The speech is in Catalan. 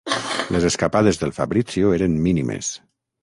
Les escapades del Fabrizio eren mínimes.